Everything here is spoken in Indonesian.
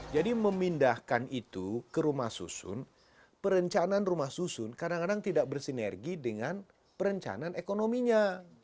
jadi memindahkan itu ke rumah susun perencanaan rumah susun kadang kadang tidak bersinergi dengan perencanaan ekonominya